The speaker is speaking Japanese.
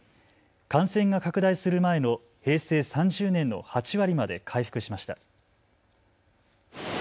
感染が拡大する前の平成３０年の８割まで回復しました。